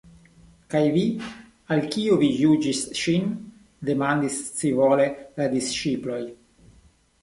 "Kaj vi? Al kiu vi juĝis ŝin?" demandis scivole la disĉiploj.